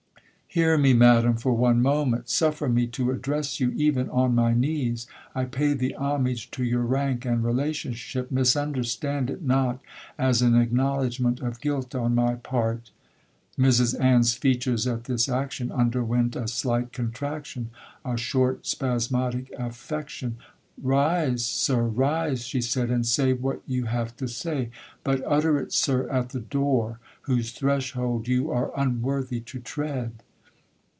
'—'Hear me, madam, for one moment—suffer me to address you, even on my knees—I pay the homage to your rank and relationship—misunderstand it not as an acknowledgement of guilt on my part!' 'Mrs Ann's features at this action underwent a slight contraction—a short spasmodic affection. 'Rise, Sir—rise,' she said—'and say what you have to say—but utter it, Sir, at the door whose threshold you are unworthy to tread.'